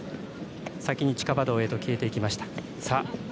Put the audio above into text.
先に地下馬道へと消えていきました。